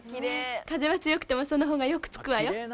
風が強くてもそのほうがよくつくわよ